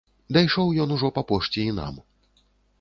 Дайшоў ён ужо па пошце і нам.